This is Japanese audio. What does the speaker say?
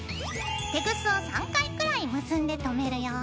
テグスを３回くらい結んで留めるよ。